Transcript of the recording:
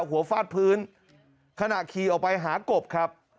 ฟาดพื้นขณะขี่ออกไปหากบครับ